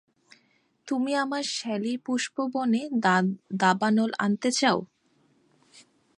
তুমি আমার শ্যালীপুষ্পবনে দাবানল আনতে চাও?